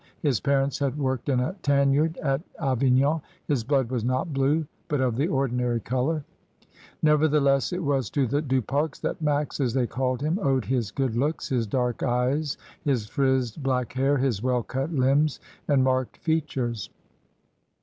His parents had worked in a tan yard at Avignon; his blood was 200 MRS. DYMOND. not blue, but of the ordinary colour; nevertheless it was to the Du Pares that Max, as they called him, owed his good looks, his dark eyes, his frizzed black hair, his well cut limbs, and marked features.